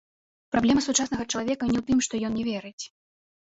Праблема сучаснага чалавека не ў тым, што ён не верыць.